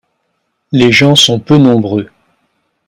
Les gens sont peu nombreux.